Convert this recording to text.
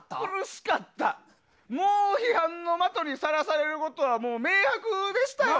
もう批判の的にさらされることは明白でしたよ。